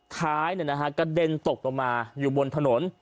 ท้ายเนี่ยนะฮะกระเด็นตกลงมาอยู่บนถนน